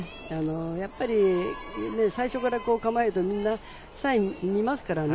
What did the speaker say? やっぱり最初から構えると、みんなサインを見ますからね。